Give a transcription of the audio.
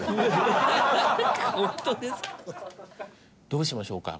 どうしましょうか？